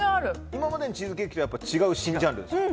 今までのチーズケーキとは違う新ジャンルですか？